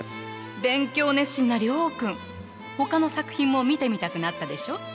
勉強熱心な諒君ほかの作品も見てみたくなったでしょ？